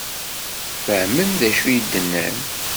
Fehmen d acu i d-nnan?